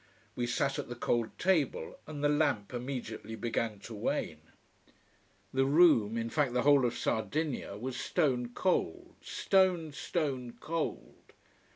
We sat at the cold table, and the lamp immediately began to wane. The room in fact the whole of Sardinia was stone cold, stone, stone cold.